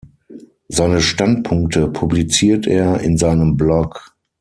Seine Standpunkte publiziert er in seinem Blog.